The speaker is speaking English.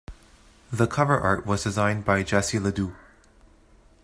The cover art was designed by Jesse LeDoux.